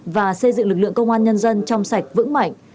và xây dựng lực lượng công an nhân dân trong sạch vững mạnh